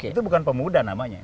itu bukan pemuda namanya